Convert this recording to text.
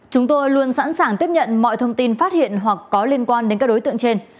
chúng tôi luôn sẵn sàng tiếp nhận mọi thông tin phát hiện hoặc có liên quan đến các đối tượng trên